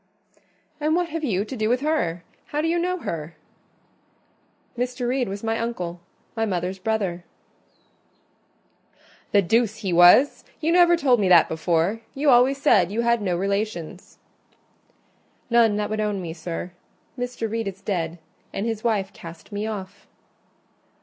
"And what have you to do with her? How do you know her?" "Mr. Reed was my uncle—my mother's brother." "The deuce he was! You never told me that before: you always said you had no relations." "None that would own me, sir. Mr. Reed is dead, and his wife cast me off."